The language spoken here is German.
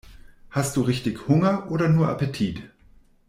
Hast du richtig Hunger oder nur Appetit?